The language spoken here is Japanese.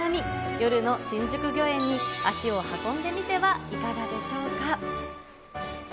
夜の新宿御苑に足を運んでみてはいかがでしょうか。